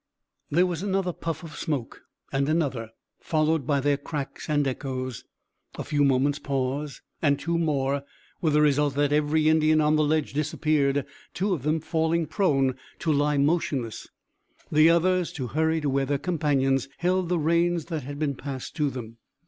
There was another puff of smoke, and another, followed by their cracks and echoes; a few moments' pause, and two more, with the result that every Indian on the ledge disappeared, two of them falling prone, to lie motionless, the others to hurry to where their companions held the reins that had been passed to them.